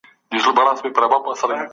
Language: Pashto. ښكلو په خندا كي اوسي